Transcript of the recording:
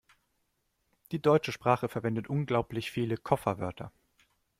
Die deutsche Sprache verwendet unglaublich viele Kofferwörter.